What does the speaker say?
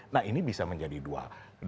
nah ini bisa menjadi dua